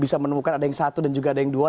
bisa menemukan ada yang satu dan juga ada yang dua